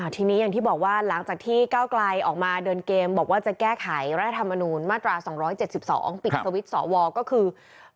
ทีนี้อย่างที่บอกว่าหลังจากที่ก้าวไกลออกมาเดินเกมบอกว่าจะแก้ไขรัฐธรรมนูญมาตรา๒๗๒ปิดสวิตช์สวก็คือ